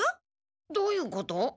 どういうこと？